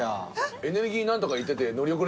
エネルギー何とか行ってて乗り遅れたりとか。